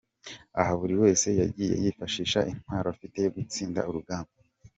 Aha buri wese yagiye yifashisha intwaro afite yo gutsinda urugamba.